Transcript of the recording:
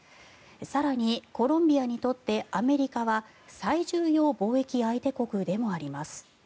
更に、コロンビアにとってアメリカは最重要貿易相手国でもあります。